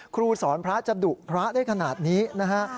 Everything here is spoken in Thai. ครูสอนพระจะดุพระได้ขนาดนี้นะฮะ